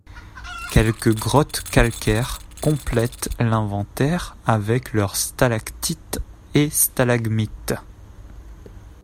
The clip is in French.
Quelques grottes calcaires complètent l'inventaire avec leurs stalactites et stalagmites.